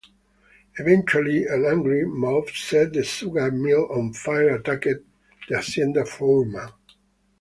Eventually, and angry mob set the sugar mill on fire attacked the hacienda foreman.